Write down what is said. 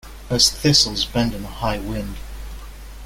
Those thistles bend in a high wind.